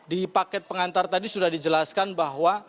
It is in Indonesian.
di paket pengantar tadi sudah dijelaskan bahwa